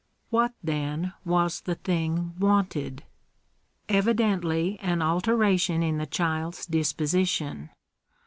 What, then, was the thing wanted ? Evidently an alteration in the child's disposition.